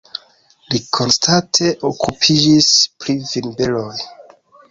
Li konstante okupiĝis pri vinberoj.